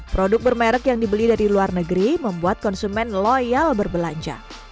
produk bermerek yang dibeli dari luar negeri membuat konsumen loyal berbelanja